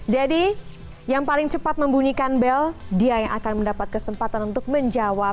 jadi yang paling cepat membunyikan bel dia yang akan mendapat kesempatan untuk menjawab